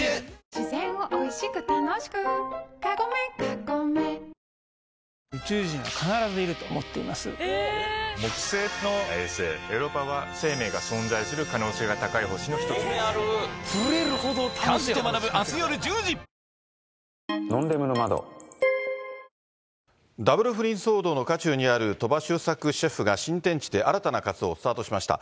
自然をおいしく楽しくカゴメカゴメダブル不倫騒動の渦中にある鳥羽周作シェフが新天地で新たな活動をスタートさせました。